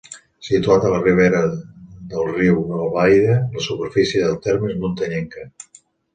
Situat en la ribera del riu Albaida, la superfície del terme és muntanyenca.